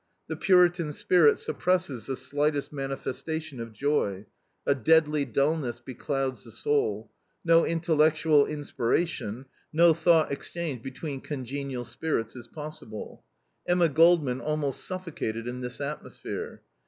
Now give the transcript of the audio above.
The Puritan spirit suppresses the slightest manifestation of joy; a deadly dullness beclouds the soul; no intellectual inspiration, no thought exchange between congenial spirits is possible. Emma Goldman almost suffocated in this atmosphere.